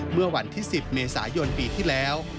เมื่อวันที่๑๐เมษายนปีที่แล้ว